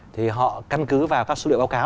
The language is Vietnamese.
thì họ căn cứ vào các số liệu báo cáo